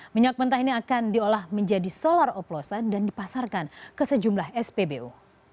minyak mentah ini akan diolah menjadi solar oplosan dan dipasarkan ke sejumlah spbu